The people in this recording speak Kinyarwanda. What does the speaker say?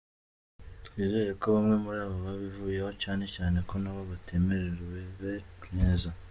Twizere ko bamwe muraba babivuyeho cyane cyane ko nabo batamerwe neza.